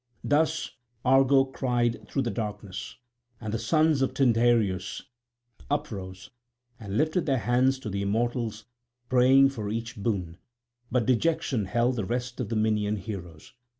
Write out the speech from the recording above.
Thus Argo cried through the darkness; and the sons of Tyndareus uprose, and lifted their hands to the immortals praying for each boon: but dejection held the rest of the Minyan heroes.